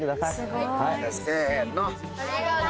せの。